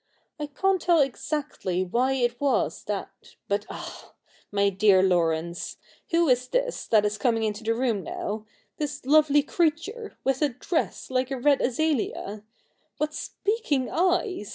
I can't tell exactly why it was that — but, ah !— my dear Laurence — who is this, that is coming into the room now — this lovely creature, with, a dress like a red azalea? B i8 THE NEW REPUBLIC [bk. i What speaking eyes